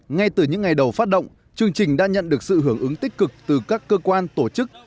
ngay từ những ngày đầu phát động chương trình đã nhận được sự hưởng ứng tích cực từ các cơ quan tổ chức